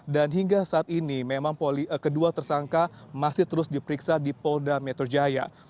dan hingga saat ini memang kedua tersangka masih terus diperiksa di polda metojaya